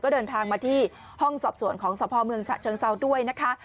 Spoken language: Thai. เดินทางมาที่ห้องสอบสวนของสพเมืองฉะเชิงเซาด้วยนะคะ